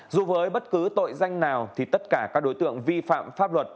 dù với bất cứ tội danh nào thì tất cả các đối tượng vi phạm pháp luật